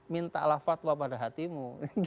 minta allah fatwa pada hatimu